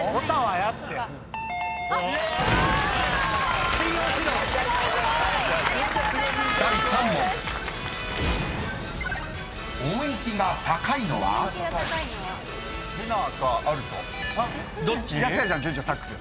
やってたじゃん潤ちゃんサックス。